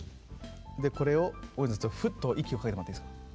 でこれを大泉さんふっと息をかけてもらっていいですか？